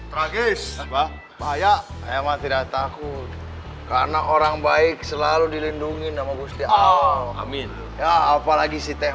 tragis bahaya emang tidak takut karena orang baik selalu dilindungi nama busti amin ya apalagi si teh